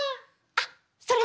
あっそれで！